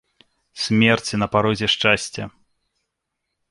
Смерць на парозе шчасця!